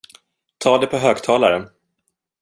Ta det på högtalare!